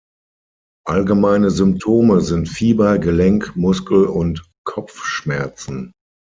Allgemeine Symptome sind Fieber, Gelenk-, Muskel- und Kopfschmerzen.